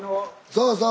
そうそう。